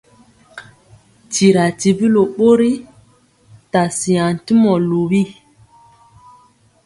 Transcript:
Tyira tibi ló bori ta siaŋ tyumɔ luwi.